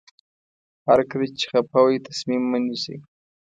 هر کله چې خفه وئ تصمیم مه نیسئ.